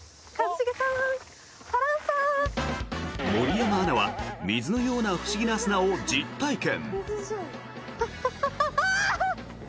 森山アナは水のようなフシギな砂を実体験。